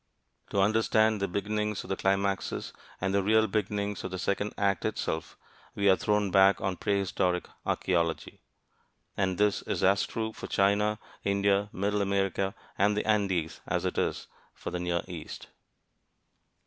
To understand the beginnings of the climaxes, and the real beginnings of the second act itself, we are thrown back on prehistoric archeology. And this is as true for China, India, Middle America, and the Andes, as it is for the Near East.